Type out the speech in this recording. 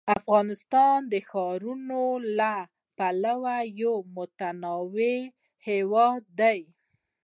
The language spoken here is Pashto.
افغانستان د ښارونو له پلوه یو متنوع هېواد دی.